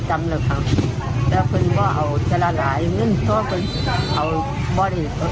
จำเลยค่ะแล้วคุณก็เอาจราหลายนึงเพราะคุณเอาบอลเอกเอา